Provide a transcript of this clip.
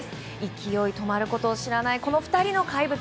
勢い止まることを知らないこの２人の怪物。